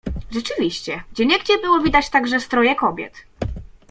"Rzeczywiście, gdzieniegdzie widać było także stroje kobiet."